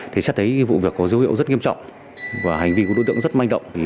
chắc thấy vụ việc có dấu hiệu rất nghiêm trọng và hành vi của đối tượng rất manh động